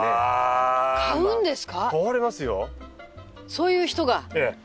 そういう人が？ええ。